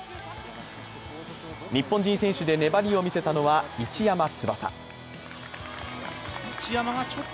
日本人選手で粘りを見せたのは市山翼。